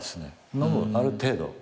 飲むある程度。